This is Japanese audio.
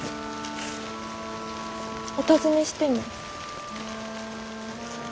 お尋ねしても？